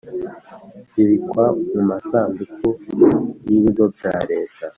Bibikwa mu masanduku y ‘ibigo bya Leta.